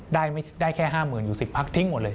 ไม่ได้แค่๕๐๐๐อยู่๑๐พักทิ้งหมดเลย